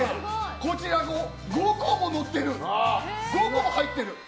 こちら５個ものってる５個も入ってる！